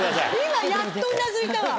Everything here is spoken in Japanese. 今やっとうなずいたわ。